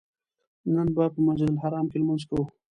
نن به په مسجدالحرام کې لمونځ کوو.